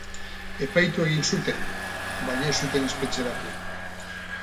Epaitu egin zuten, baina ez zuten espetxeratu.